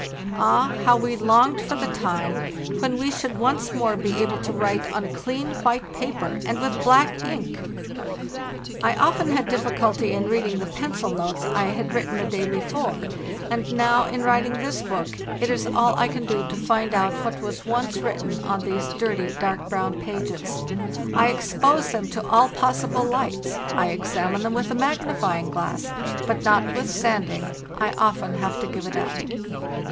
Ah! how we longed for the time when we should once more be able to write on clean white paper and with black ink! I often had difficulty in reading the pencil notes I had written the day before, and now, in AN ILLEGIBLE PAGE FROM DIARY LAND AT LAST 439 writing this book, it is all I can do to find out what was once written on these dirty, dark brown pages. I ex pose them to all possible lights, I examine them with a magnifying glass; but, notwithstanding, I often have to give it up.